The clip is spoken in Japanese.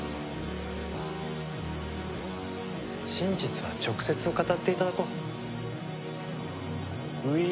真実は直接語っていただこう。